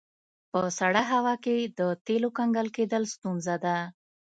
په سړه هوا کې د تیلو کنګل کیدل ستونزه ده